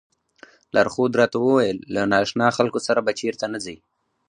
لارښود راته وویل له نا اشنا خلکو سره به چېرته نه ځئ.